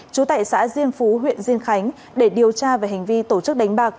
đà diên phú huyện diên khánh để điều tra về hành vi tổ chức đánh bạc